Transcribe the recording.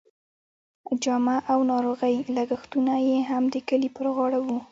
جامه او ناروغۍ لګښتونه یې هم د کلي پر غاړه وو.